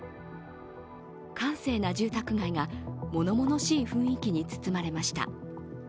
閑静な住宅街が物々しい雰囲気に包まれました。